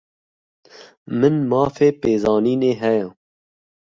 Min mafê pêzanînê heye.